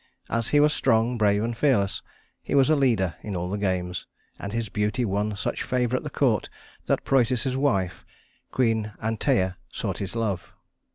As he was strong, brave, and fearless, he was a leader in all the games; and his beauty won such favor at the court that Prœtus's wife, Queen Anteia, sought his love.